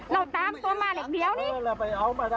เราตามตัวมาเหล็กเดียวนี่